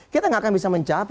kita gak akan bisa mencapai